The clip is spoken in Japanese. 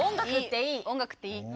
音楽っていい。